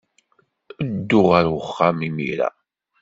Ddu ɣer uxxam imir-a.